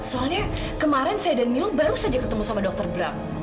soalnya kemarin saya dan mil baru saja ketemu sama dokter bram